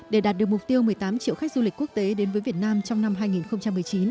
để đạt được mục tiêu một mươi tám triệu khách du lịch quốc tế đến với việt nam trong năm hai nghìn một mươi chín